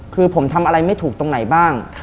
คือผมทำอะไรไม่ถูกตรงไหนบ้าง